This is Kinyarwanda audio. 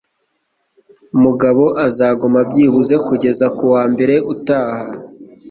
Mugabo azaguma byibuze kugeza kuwa mbere utaha.